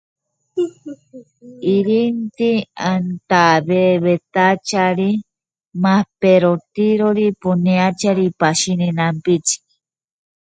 Es un Ex futbolista profesional venezolano.